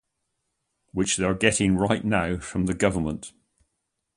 Which they are getting right now from the government.